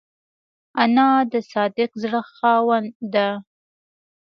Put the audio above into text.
انا د صادق زړه خاوند ده